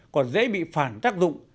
còn dễ bị phản tác dụng